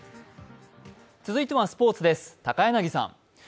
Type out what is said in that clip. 続いてはスポーツです高柳さん。